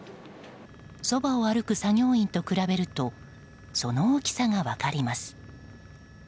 そばを歩く作業員と比べるとその大きさが分かります。